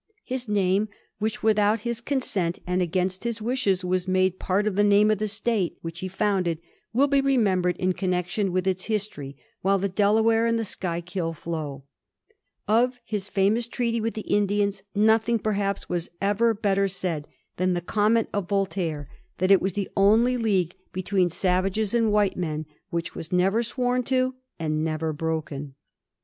His name, which without his consent and against his vsdshes was made part f the name of the State which he founded, will be remembered in connection with its history while the Delaware and the Schuylkill flow. Of his famous treaty with the Indians nothing perhaps was ever better said than the comment of Voltaire, that it was the only league between savages Digiti zed by Google ^36 A mSTORT OF THE FOUR GEORGES. oh. z. and white men which was never sworn to and never broken.